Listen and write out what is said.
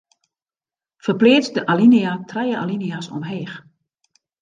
Ferpleats de alinea trije alinea's omleech.